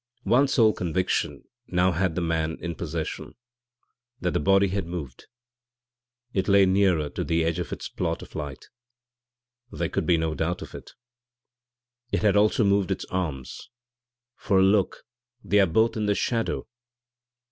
One sole conviction now had the man in possession: that the body had moved. It lay nearer to the edge of its plot of light there could be no doubt of it. It had also moved its arms, for, look, they are both in the shadow!